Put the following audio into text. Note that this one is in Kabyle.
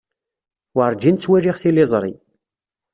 Werǧin ttwaliɣ tiliẓri.